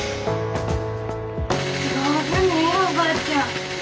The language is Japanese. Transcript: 上手ねえおばあちゃん。